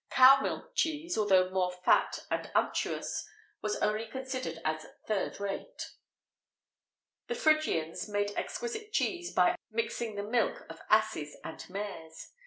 Cow milk cheese, although more fat and unctuous, was only considered as third rate.[XVIII 43] The Phrygians made exquisite cheese by artistically mixing the milk of asses and mares.